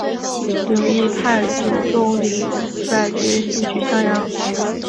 萧绎派柳仲礼率军进取襄阳。